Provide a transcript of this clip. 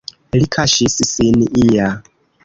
Li kaŝis sin ia.